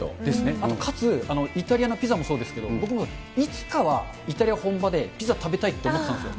あとかつ、イタリアのピザもそうですけど、僕もいつかはイタリア本場でピザ食べたいと思ってたんですよ。